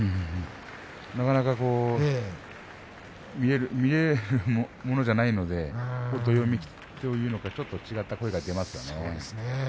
なかなか見れるものじゃないのでね、どよめきというかお客さんからもちょっと違った声に出ますね。